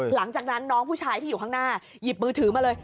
หลังจากนั้นน้องผู้ชายที่อยู่ข้างหน้าหยิบมือถือมาเลย